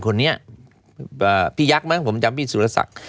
พี่ยักษ์ไหมผมจำพี่สุรสัตว์